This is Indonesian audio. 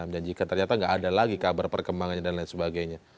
menjanjikan ternyata tidak ada lagi kabar perkembangannya dan lain sebagainya